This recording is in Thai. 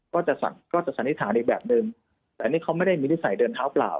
ก็จะสันนิษฐานอีกแบบนึงแต่นี่เขาไม่ได้มีนิสัยเดินเท้าเปล่า